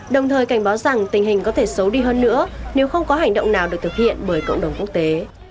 đồng thời cảnh báo rằng tình hình có thể xấu đi hơn nữa nếu không có hành động nào được thực hiện bởi cộng đồng quốc tế